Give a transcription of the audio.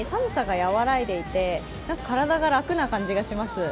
今朝は昨日より更に寒さが和らいでいて体が楽な感じがします。